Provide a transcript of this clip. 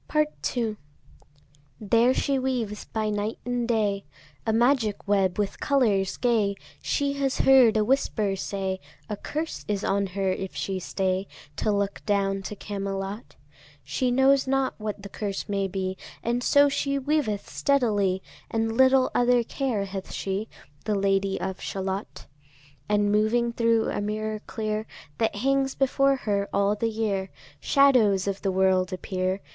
Part II. There she weaves by night and day A magic web with colours gay. She has heard a whisper say, A curse is on her if she stay To look down to Camelot. She knows not what the curse may be, And so she weaveth steadily, And little other care hath she, The Lady of Shalott. And moving thro' a mirror clear That hangs before her all the year, Shadows of the world appear.